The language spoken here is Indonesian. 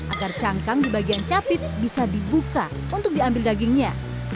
agar cangkang di bagian capit bisa dibuka untuk diambil dagingnya